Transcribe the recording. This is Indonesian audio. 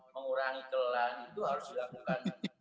mengurangi kelelahan itu harus dilakukan